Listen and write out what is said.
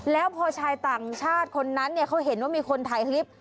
แล้วพอชายต่างชาติคนนั้นเนี่ยเขาเห็นว่ามีคนถ่ายคลิป